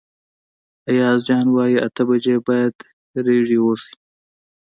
ایاز جان وايي اته بجې باید رېډي اوسئ.